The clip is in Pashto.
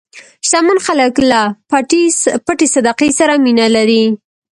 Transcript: شتمن خلک له پټې صدقې سره مینه لري.